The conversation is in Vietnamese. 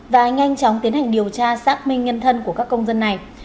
và nhanh chóng tiến hành điều tra xác minh nhân thân của các công dân này